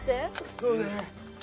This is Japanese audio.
そうね。